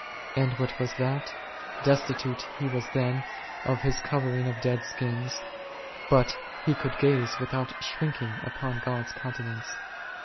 And what was that? Des titute he was then of his covering of dead skins, but he could gaze without shrinking upon God's countenance.